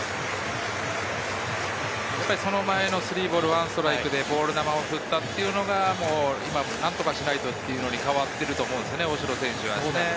その前の３ボール１ストライクでボール球を振ったというのが、今何とかしないとというのに変わっていると思うんです、大城選手は。